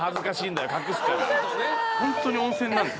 ・ホントに温泉なんです